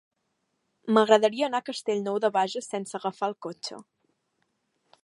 M'agradaria anar a Castellnou de Bages sense agafar el cotxe.